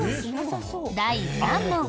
第３問。